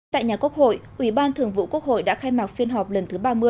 tại nhà quốc hội ủy ban thường vụ quốc hội đã khai mạc phiên họp lần thứ ba mươi